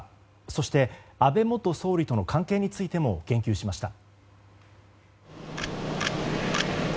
そして、安倍元総理との関係についても言及しました。